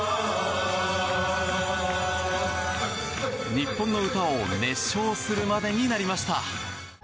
日本の歌を熱唱するまでになりました。